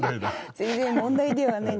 全然問題ではない。